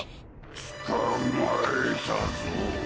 つかまえたぞ